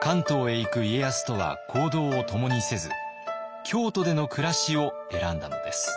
関東へ行く家康とは行動を共にせず京都での暮らしを選んだのです。